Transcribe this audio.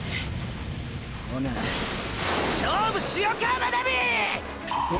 ほな勝負しよか真波！！ぉ！